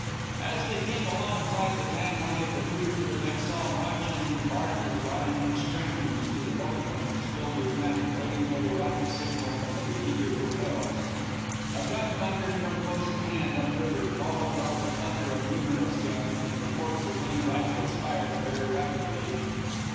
As they came alongside the gangway of the cruiser, they saw launches and barges lying in strings to the boat booms, filled with men, waiting for the rocket signal from the beleaguered hotels. A gun thundered from close at hand, up river, followed by the thunder of numerous guns and the reports of many rifles fired very rapidly.